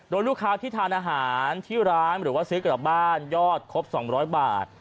โดยลูกค้าที่ทานอาหารที่ร้านหรือว่าซื้อกลับบ้านยอดครบ๒๐๐บาท